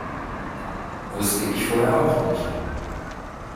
Wusste ich vorher auch nicht.